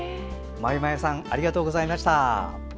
まゆまゆさんありがとうございました。